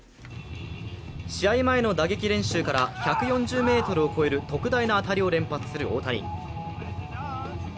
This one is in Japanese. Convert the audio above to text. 試合前の打撃練習から１４０ｍを超える特大な当たりを連発する大谷。